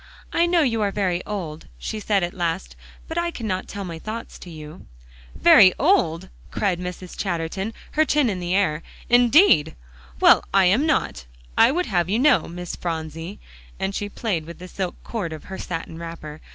"I know you are very old," she said at last, "but I cannot tell my thoughts to you." "Very old!" cried Mrs. Chatterton, her chin in the air. "Indeed! well, I am not, I would have you know, Miss Phronsie," and she played with the silk cord of her satin wrapper.